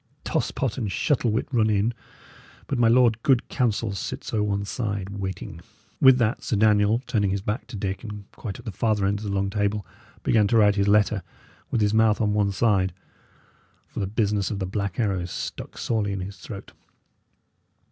Toss pot and Shuttle wit run in, but my Lord Good Counsel sits o' one side, waiting." With that, Sir Daniel, turning his back to Dick, and quite at the farther end of the long table, began to write his letter, with his mouth on one side, for this business of the Black Arrow stuck sorely in his throat.